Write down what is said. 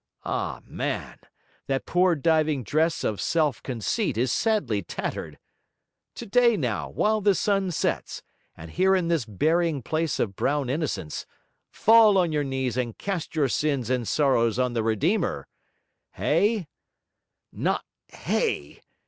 Ah, man, that poor diving dress of self conceit is sadly tattered! Today, now, while the sun sets, and here in this burying place of brown innocents, fall on your knees and cast your sins and sorrows on the Redeemer. Hay ' 'Not Hay!'